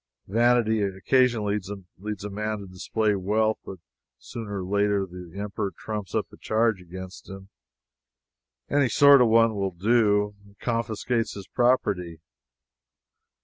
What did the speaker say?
Vanity occasionally leads a man to display wealth, but sooner or later the Emperor trumps up a charge against him any sort of one will do and confiscates his property.